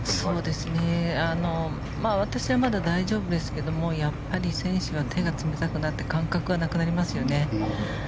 私はまだ大丈夫ですがやっぱり選手は手が冷たくなって感覚がなくなりますよね。